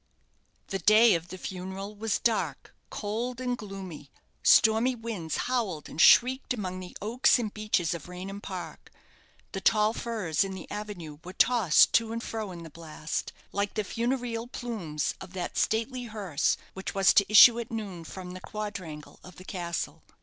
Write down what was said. The day of the funeral was dark, cold, and gloomy; stormy winds howled and shrieked among the oaks and beeches of Raynham Park. The tall firs in the avenue were tossed to and fro in the blast, like the funereal plumes of that stately hearse which was to issue at noon from the quadrangle of the castle.